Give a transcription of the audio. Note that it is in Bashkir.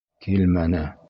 Килмәне.